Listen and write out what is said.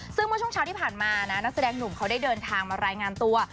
ซึ่งเมื่อช่วงเช้าที่ผ่านมานะนักแสดงหนุ่มเขาได้เดินทางมารายงานตัว